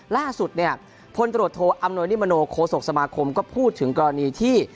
ล่าสุดเนี่ยพลตรวจโทอำนวยนิมโนโคศกสมาคมก็พูดถึงกรณีที่